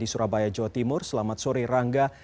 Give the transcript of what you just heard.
surabaya jawa timur selamat sore rangga